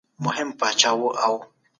پر کوچنیانو شفقت وکړئ.